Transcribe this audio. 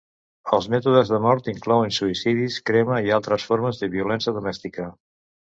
Els mètodes de mort inclouen suïcidis, crema i altres formes de violència domèstica.